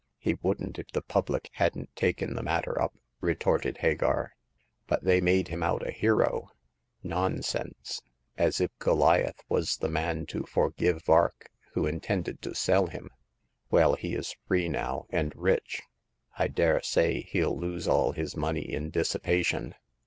" He wouldn't if the public hadn't taken the matter up," retorted Hagar :but they made him out a hero. Nonsense ! As if Goliath was the man to forgive Vark, who intended to sell him. Well, he is free now, and rich. I dare say hell lose all his money in dissipation.